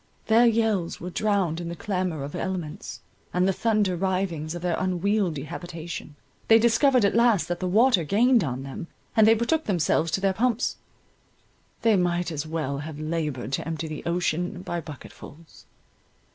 Their yells were drowned in the clamour of elements, and the thunder rivings of their unwieldy habitation—they discovered at last that the water gained on them, and they betook themselves to their pumps; they might as well have laboured to empty the ocean by bucketfuls.